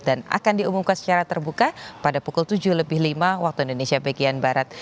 dan akan diumumkan secara terbuka pada pukul tujuh lebih lima waktu indonesia bagian barat